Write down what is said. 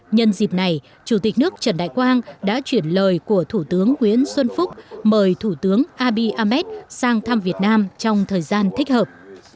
nhân dịp này chủ tịch nước trần đại quang đã chuyển lời của thủ tướng nguyễn xuân phúc mời thủ tướng abi ahmed sang thăm việt nam trong thời gian thích hợp